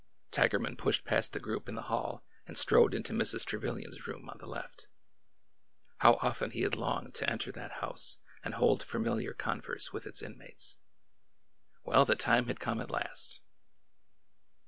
Tigerman pushed past the group in the hall and strode into Mrs. Trevilian's room on the left. How often he had longed to enter that house and hold fa miliar converse with its inmates! Well, the time had come at last